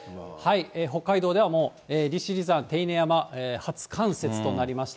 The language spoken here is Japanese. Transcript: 北海道ではもう利尻山、手稲山、初冠雪となりました。